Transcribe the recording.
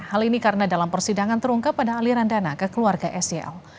hal ini karena dalam persidangan terungkap ada aliran dana ke keluarga sel